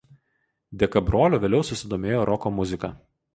Dėka brolio vėliau susidomėjo roko muzika.